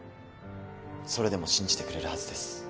それでも信じてくれるはずです。